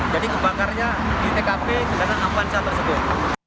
jadi kebakarnya di tkp kendaraan avanca tersebut